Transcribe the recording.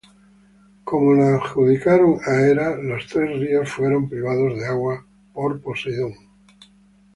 Como la adjudicaron a Hera, los tres ríos fueron privados de agua por Poseidón.